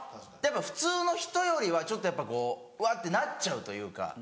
普通の人よりはちょっとやっぱこう「うわ」ってなっちゃうというか。